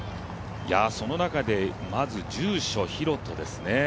その中で、まず住所大翔ですね。